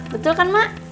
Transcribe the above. betul kan mak